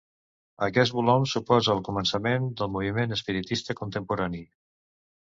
Aquest volum suposa el començament del moviment espiritista contemporani.